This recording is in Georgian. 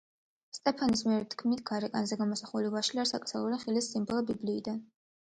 სტეფანი მეიერის თქმით, გარეკანზე გამოსახული ვაშლი არის აკრძალული ხილის სიმბოლო, ბიბლიიდან.